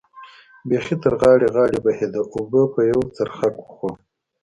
بېخي تر غاړې غاړې بهېده، اوبو به یو څرخک وخوړ.